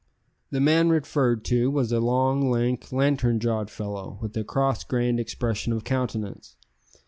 The man referred to was a long, lank, lantern jawed fellow, with a cross grained expression of countenance.